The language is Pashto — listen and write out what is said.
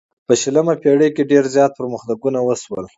په شلمه پیړۍ کې ډیر زیات پرمختګونه وشول.